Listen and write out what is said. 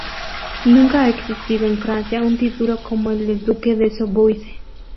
Nunca ha existido en Francia un título como el de "Duque de Soubise".